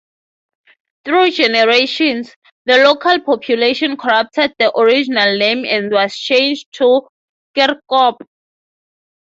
Through generations, the local population corrupted the original name and was changed to "Kirkop".